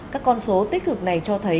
các con số tích cực này cho thấy